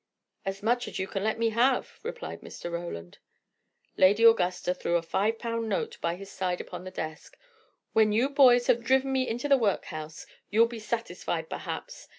"As much as you can let me have," replied Mr. Roland. Lady Augusta threw a five pound note by his side upon the desk. "When you boys have driven me into the workhouse, you'll be satisfied, perhaps.